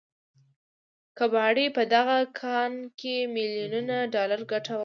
کباړي په دغه کان کې ميليونونه ډالر ګټه وكړه.